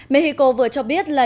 mexico vừa cho biết là